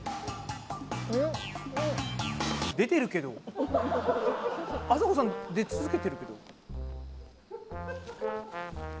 出てるけどあさこさん出続けてるけど。